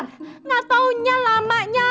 nggak taunya lamanya